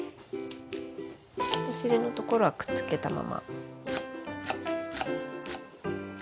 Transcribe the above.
お尻のところはくっつけたまま。